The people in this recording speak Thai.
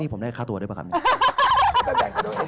นี่ผมได้ฆ่าตัวด้วยป่ะครับ